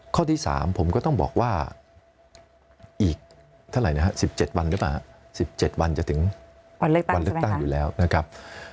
ข้อที่๓ผมก็ต้องบอกว่าอีกเท่าไหร่นะฮะ๑๗วันหรือเปล่า๑๗วันจะถึงวันเลือกตั้งอยู่แล้วนะครับ